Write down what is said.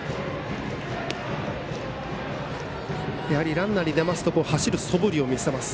ランナーに出ますと走るそぶりを見せます。